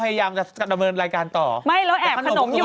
อุ๊ยคุณแมนแมน